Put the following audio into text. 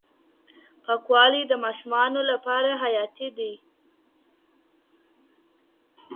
پاکوالی د ماشومانو لپاره حیاتي دی.